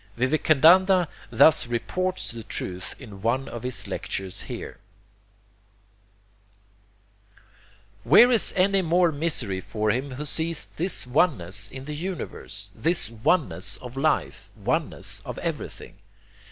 Vivekananda thus reports the truth in one of his lectures here: "Where is any more misery for him who sees this Oneness in the Universe...this Oneness of life, Oneness of everything?